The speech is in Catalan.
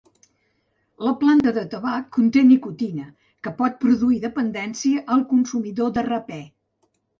La planta de tabac conté nicotina, que pot produir dependència al consumidor de rapè.